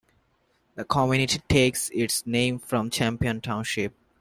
The community takes its name from Champion Township.